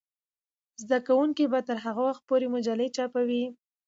زده کوونکې به تر هغه وخته پورې مجلې چاپوي.